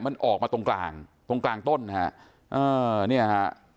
มันออกมาตรงกลางตรงกลางต้นฮะเออเนี่ยฮะ